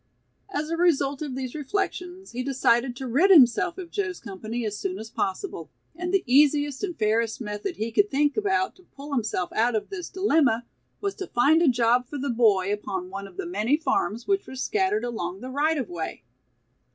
As a result of these reflections he decided to rid himself of Joe's company as soon as possible, and the easiest and fairest method he could think about to pull himself out of this dilemma was to find a job for the boy upon one of the many farms which were scattered along the right of way.